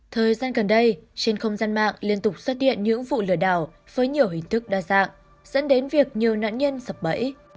thời gian gần đây trên không gian mạng liên tục xuất hiện những vụ lừa đảo với nhiều hình thức đa dạng dẫn đến việc nhiều nạn nhân sập bẫy